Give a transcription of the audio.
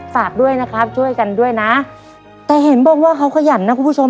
ฝากด้วยนะครับช่วยกันด้วยนะแต่เห็นบอกว่าเขาขยันนะคุณผู้ชม